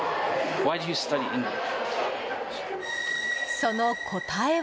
その答えは。